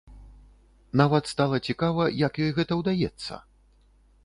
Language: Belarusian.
Нават стала цікава, як ёй гэта ўдаецца?